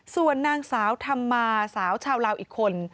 ส่วนนางสาวธรรมาสาวชาวลาวอีกคน